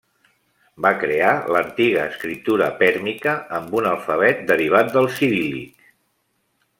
Va crear l'antiga escriptura pèrmica, amb un alfabet derivat del ciríl·lic.